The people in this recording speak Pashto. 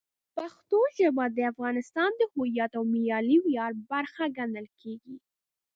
پښتو ژبه د افغانستان د هویت او ملي ویاړ برخه ګڼل کېږي.